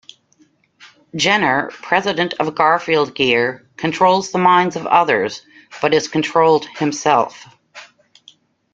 Jenner, president of Garfield Gear, controls the minds of others, but is controlled himself.